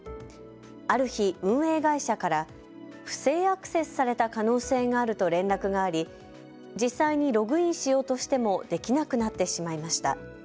ある日、運営会社から不正アクセスされた可能性があると連絡があり、実際にログインしようとしてもできなくなってしまいました。